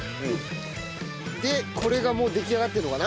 でこれがもう出来上がってるのかな？